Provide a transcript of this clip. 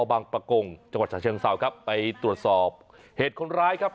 บางประกงจังหวัดฉะเชิงเศร้าครับไปตรวจสอบเหตุคนร้ายครับ